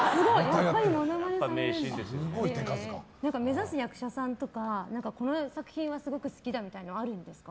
目指す役者さんとかこの作品はすごく好きだとかあるんですか？